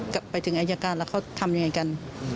ว่าไปถึงอายการแล้วเขาทำอย่างไรกัน